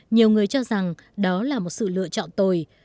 nhiều người cho rằng đó là một sự lựa chọn tồi